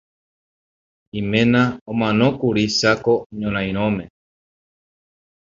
Iména omanókuri Cháko ñorairõme.